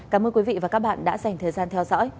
cảm ơn quý vị và các bạn đã dành thời gian theo dõi